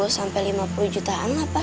tiga puluh sampai lima puluh jutaan lah pak